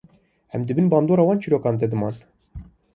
Em di bin bandora wan çîrokan de diman.